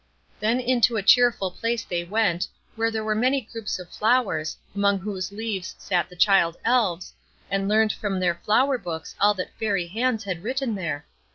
Then into a cheerful place they went, where were many groups of flowers, among whose leaves sat the child Elves, and learned from their flower books all that Fairy hands had written there.